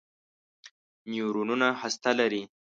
نیورونونه هسته لري.